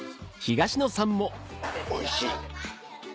おいしい。